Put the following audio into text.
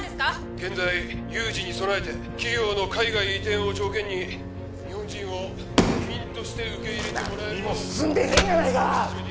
現在有事に備えて企業の海外移転を条件に日本人を移民として受け入れてもらえるよう何も進んでへんやないか！